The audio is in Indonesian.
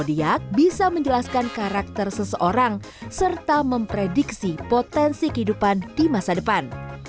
jadi bahkan mengakui zodiac bisa menjelaskan karakter seseorang serta memprediksi potensi kehidupan di masa depan